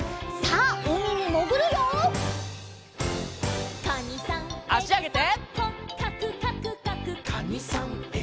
あしあげて。